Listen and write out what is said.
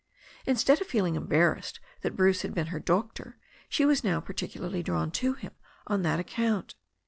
Instead of feeling embarrassed that Bruce had been her doctor, she was now particularly drawn to him on that account.